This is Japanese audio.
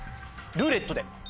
「ルーレット」で。